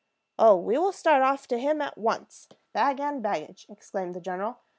"] "Oh, we will start off to him at once, bag and baggage," exclaimed the general.